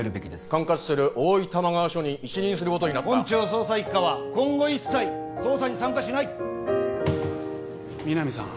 管轄する大井玉川署に一任することになった本庁捜査一課は今後一切捜査に参加しない皆実さん